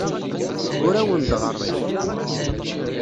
Ur awen-d-ɣerrmeɣ.